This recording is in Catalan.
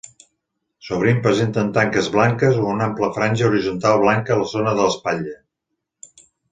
Sovint presenten taques blanques o una àmplia franja horitzontal blanca a la zona de l'espatlla.